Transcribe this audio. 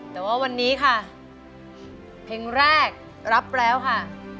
แต่ว่าวันนี้ค่ะเพลงแรกรับแล้วค่ะ